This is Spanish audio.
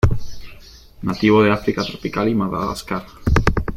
Nativo de África tropical y Madagascar.